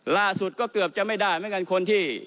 ล่าสุดก็เกือบจะไม่ได้